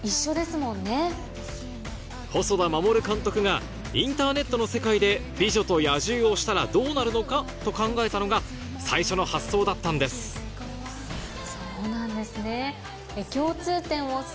細田守監督がインターネットの世界で『美女と野獣』をしたらどうなるのかと考えたのが最初の発想だったんですそうなんですね。